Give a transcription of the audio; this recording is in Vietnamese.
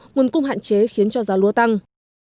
nguồn cung hạn chế khiến cho giá lúa tăng